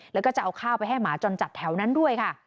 แล้วก็จะเอาข้าวไปให้หมาจรจัดแถวนั้นด้วยค่ะ